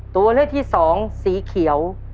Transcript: ตัวเลือกที่สองสีเขียว